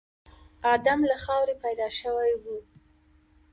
ادم له خاورې پيدا شوی و.